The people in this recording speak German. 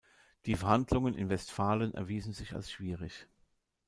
Die Verhandlungen in Westfalen erwiesen sich als schwierig.